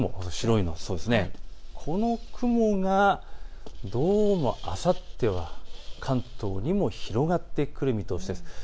この雲がどうもあさっては関東にも広がってくる見通しです。